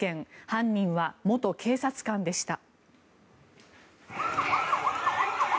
犯人は元警察官でした。